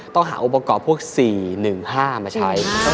ต้องหาอุปกรณ์พวก๔๑๕มาใช้